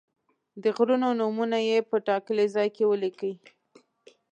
د غرونو نومونه یې په ټاکلي ځای کې ولیکئ.